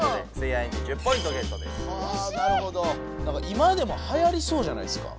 今でもはやりそうじゃないですか？